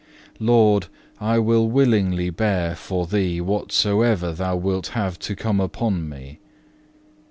4. Lord, I will willingly bear for Thee whatsoever Thou wilt have to come upon me.